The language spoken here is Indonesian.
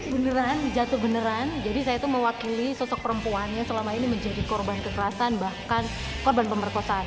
beneran jatuh beneran jadi saya itu mewakili sosok perempuan yang selama ini menjadi korban kekerasan bahkan korban pemerkosaan